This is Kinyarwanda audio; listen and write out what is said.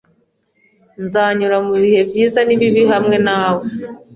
Nzanyura mubihe byiza n'ibibi hamwe nawe.